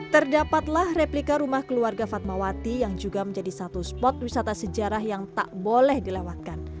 terdapatlah replika rumah keluarga fatmawati yang juga menjadi satu spot wisata sejarah yang tak boleh dilewatkan